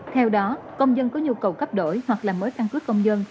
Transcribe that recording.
theo đó công dân có nhu cầu cấp đổi hoặc làm mới căn cước công dân